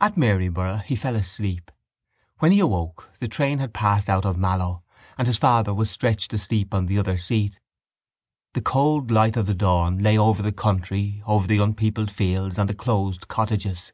At Maryborough he fell asleep. When he awoke the train had passed out of Mallow and his father was stretched asleep on the other seat. The cold light of the dawn lay over the country, over the unpeopled fields and the closed cottages.